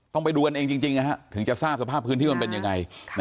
ไปดูกันเองจริงถึงจะทราบสภาพพื้นที่มันเป็นยังไง